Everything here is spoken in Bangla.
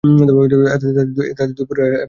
তাদের দুই পুত্র এবং এক কন্যা রয়েছে।